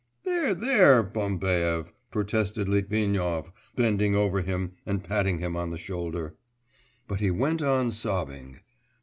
'There, there, Bambaev,' protested Litvinov, bending over him and patting him on the shoulder. But he went on sobbing.